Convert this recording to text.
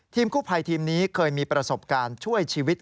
กู้ภัยทีมนี้เคยมีประสบการณ์ช่วยชีวิต